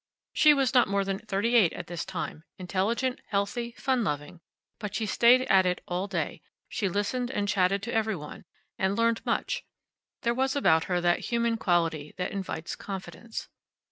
She was not more than thirty eight at this time, intelligent, healthy, fun loving. But she stayed at it all day. She listened and chatted to every one, and learned much. There was about her that human quality that invites confidence.